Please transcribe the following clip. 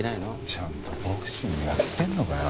ちゃんとボクシングやってんのかよ？